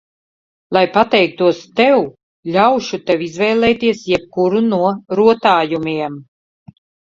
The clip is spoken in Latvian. Lai pateiktos tev, ļaušu tev izvēlēties jebkuru no rotājumiem.